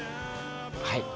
はい。